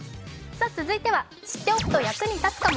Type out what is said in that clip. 続いては、知っておくと役に立つかも。